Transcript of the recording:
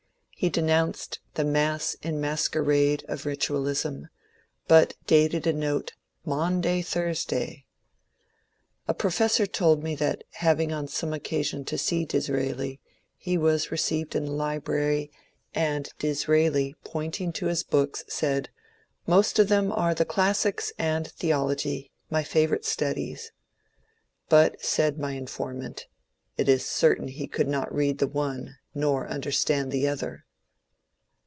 He denounced the ^^mass in masquerade " of Ritualism, but dated a note ^^ Maunday Thursday." A professor told me that, having on some occa sion to see Disraeli, he was received in the library, and Dis raeli, pointing to his bo(^, said, *^Most of them are the classics and theology, — my favourite studies." But, said my informant, ^^ It is certain be could not read the one nor under stand the other."